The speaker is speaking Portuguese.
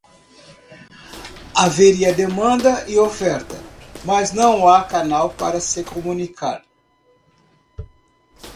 Haveria demanda e oferta, mas não há canal para se comunicar.